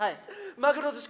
マグロ寿司。